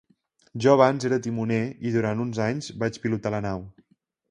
Jo abans era el timoner i durant uns anys vaig pilotar la nau.